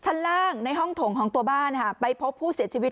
ชั้นล่างในห้องถงของตัวบ้านไปพบผู้เสียชีวิต